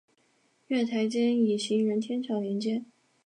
月台间以行人天桥连接。